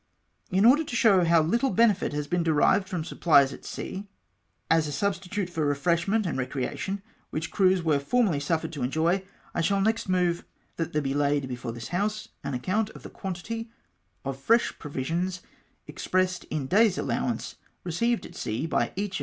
In order to show how little benefit has been derived from supplies at sea, as a substitute for refreshment and recreation which the crews were formerly suffered to enjoy, I shall next move — "That there be laid before this House an accoimt of the quantity of fresh pro visions, expressed in day's allowance, received at sea by each of H.